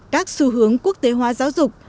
các xu hướng quốc tế hóa giáo dục